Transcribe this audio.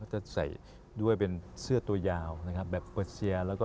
ว่าจะใส่ด้วยเป็นเสื้อตัวยาวแบบเบอร์เซีย